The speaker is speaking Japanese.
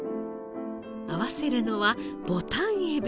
合わせるのはボタンエビ。